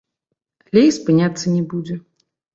Але і спыняцца не будзе.